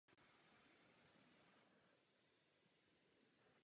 Car a carevna nakonec dali povolení ke sňatku mezi Fridrichem a Alexandrou.